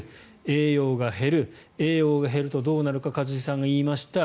栄養が減る栄養が減るとどうなるか一茂さんが言いました。